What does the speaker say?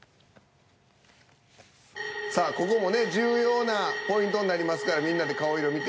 さあここもね重要なポイントになりますからみんなで顔色見て。